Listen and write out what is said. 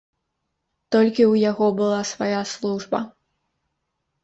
Толькі ў яго была свая служба.